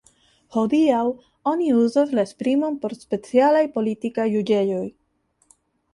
Hodiaŭ oni uzas la esprimon por specialaj politikaj juĝejoj.